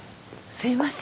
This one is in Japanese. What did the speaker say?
すいません。